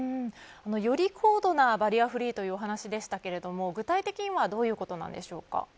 より高度なバリアフリーというお話でしたけれども具体的にはどういうことなんでしょうか。